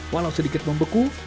walau sedikit membeku